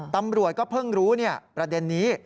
ตำรวจก็เพิ่งรู้ประเด็นนี้